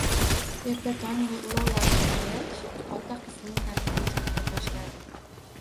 Erta tong Lola uyg`ongach ota qizini tartibga chaqira boshladi